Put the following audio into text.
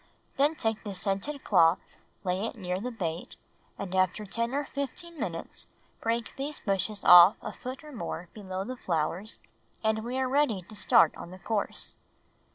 Then take the scented cloth, lay it near the bait, and after ten or fifteen minutes break these bushes off a foot or more below the flowers and we are ready to start on the course.